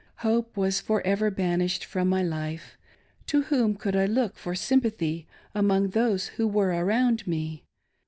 Hope was for ever banished from my life. To whom could I look for sympathy among those who were around me